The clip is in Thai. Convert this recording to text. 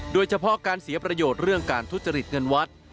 โดยเฉพาะการเสียประโยชน์เรื่องการทุจริตเงินวัด